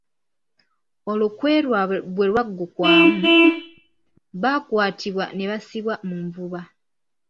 Olukwe lwabwe bwe lwaggukwamu, baakwatibwa ne bassibwa mu nvuba.